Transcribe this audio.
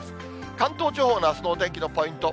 関東地方のあすのお天気のポイント。